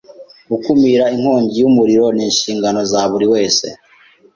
Gukumira inkongi y'umuriro ni inshingano za buri wese.